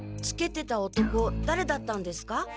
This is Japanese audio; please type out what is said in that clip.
つけてた男だれだったんですか？